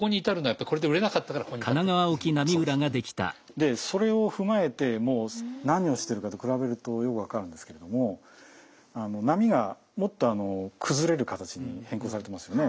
でそれを踏まえてもう何をしてるかと比べるとよく分かるんですけれども波がもっと崩れる形に変更されてますよね。